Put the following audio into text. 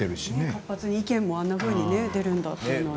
活発に意見もあんなふうに出るんだと。